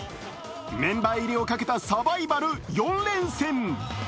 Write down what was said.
メンバー入りをかけたサバイバル、４連戦。